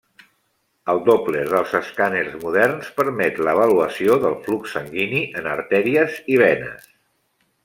El Doppler dels escàners moderns permet l'avaluació del flux sanguini en artèries i venes.